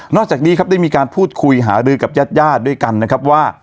จากนี้ครับได้มีการพูดคุยหารือกับญาติญาติด้วยกันนะครับว่า